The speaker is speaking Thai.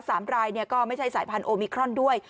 สามรายก็ไม่ใช่สายพันธุ์โอมิครอนด้วย